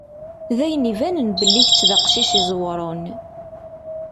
D ayen ibanen belli kečč d aqcic iẓewṛen.